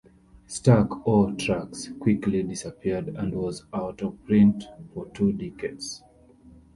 "Stack-o-Tracks" quickly disappeared and was out of print for two decades.